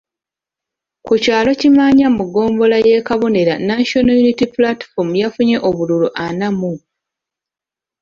Ku kyalo Kimaanya mu ggombolola y'e Kabonera National Unity Platform yafunye obululu ana mu.